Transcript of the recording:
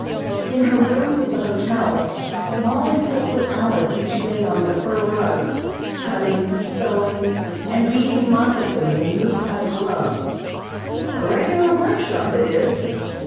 In her rooms at the hotel Mollie sits with Alice each day on the fur rugs, cutting, sewing and beading moccasins and moosehide gloves. A regular workshop it is.